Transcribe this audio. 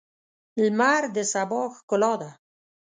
لمر د سبا ښکلا ده.